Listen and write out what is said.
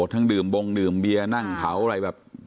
ทั้งดื่มบงดื่มเบียร์นั่งเผาอะไรแบบ